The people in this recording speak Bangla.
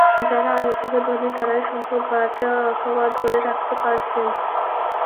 যাঁরা আগে থেকে ধনী তাঁরাই সম্পদ বাড়াতে অথবা ধরে রাখতে পারছেন।